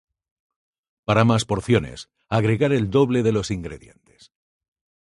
Para más porciones, agregar el doble de los ingredientes.